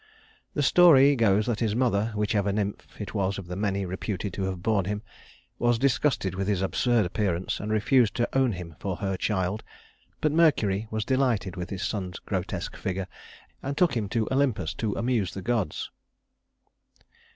The story goes that his mother whichever nymph it was of the many reputed to have borne him was disgusted with his absurd appearance, and refused to own him for her child; but Mercury was delighted with his son's grotesque figure, and took him to Olympus to amuse the gods.